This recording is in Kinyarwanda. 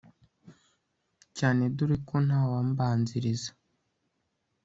cyane dore ko ntawambanzirizaga